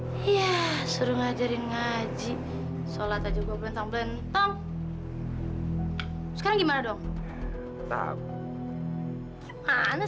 iya suruh ngajarin ngaji solat aja gue belentang belentang